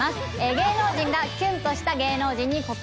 芸能人がキュンとした芸能人に告白。